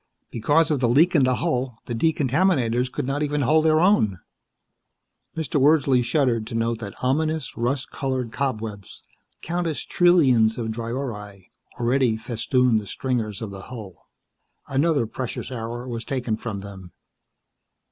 Because of the leak in the hull, the decontaminators could not even hold their own. Mr. Wordsley shuddered to note that ominous, rust colored cobwebs countless trillions of dryori already festooned the stringers of the hull. Another precious hour was taken from them.